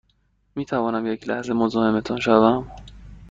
می توانم یک لحظه مزاحمتان شوم؟